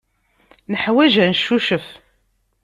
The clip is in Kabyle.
Neḥwaj ad neccucef.